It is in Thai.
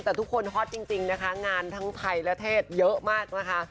แต่ทุกคนฮอตจริงนะคะงานทั้งไทยและเทศเยอะมากนะคะ